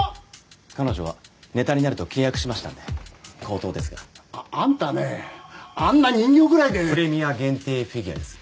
彼女はネタになると契約しましたんで口頭ですがああんたねあんな人形ぐらいでプレミア限定フィギュアです